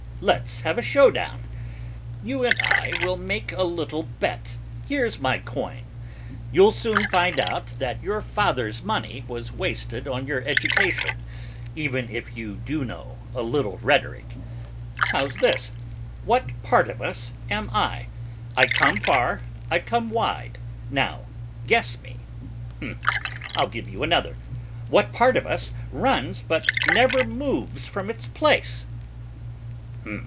Let's have a show down, you and I will make a little bet, here's my coin; you'll soon find out that your father's money was wasted on your education, even if you do know a little rhetoric. How's this what part of us am I? I come far, I come wide, now guess me! I'll give you another. What part of us runs but never moves from its place?